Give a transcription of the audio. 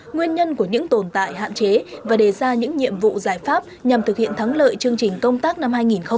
nguyên nhân của những tồn tại hạn chế và đề ra những nhiệm vụ giải pháp nhằm thực hiện thắng lợi chương trình công tác năm hai nghìn hai mươi